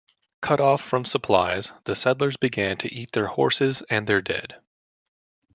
Cut off from supplies, the settlers began to eat their horses and their dead.